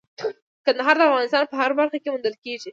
کندهار د افغانستان په هره برخه کې موندل کېږي.